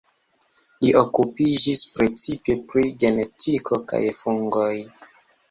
Li okupiĝis precipe pri genetiko kaj fungoj.